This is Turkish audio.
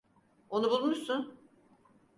Onu bulmuşsun.